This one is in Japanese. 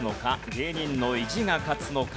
芸人の意地が勝つのか？